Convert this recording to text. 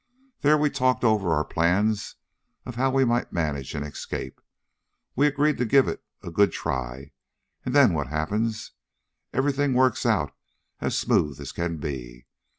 There we talked over our plans of how we might manage an escape. We agreed to give it a good try, and then what happens? Everything works out as smooth as can be.